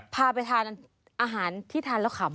พาไปทานอาหารที่ทานแล้วขำ